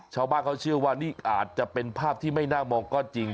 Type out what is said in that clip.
ชาวบ้านเขาเชื่อว่านี่อาจจะเป็นภาพที่ไม่น่ามองก็จริง